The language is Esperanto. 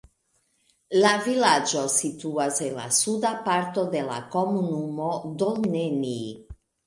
La vilaĝo situas en la suda parto de la komunumo Dolneni.